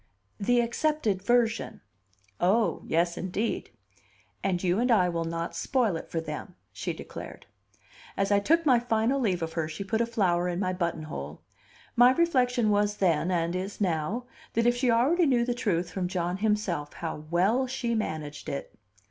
"The accepted version." "Oh, yes, indeed!" "And you and I will not spoil it for them," she declared. As I took my final leave of her she put a flower in my buttonhole. My reflection was then, and is now, that if she already knew the truth from John himself, how well she managed it!